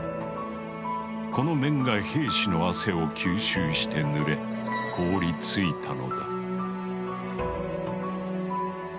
この綿が兵士の汗を吸収して濡れ凍りついたのだ。